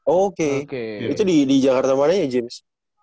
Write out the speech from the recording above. oke itu di jakarta mananya james